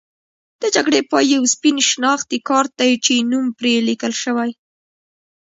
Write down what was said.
د جګړې پای یو سپین شناختي کارت دی چې نوم پرې لیکل شوی.